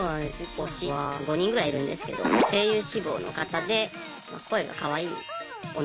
推しは５人ぐらいいるんですけど声優志望の方で声がかわいい女の人。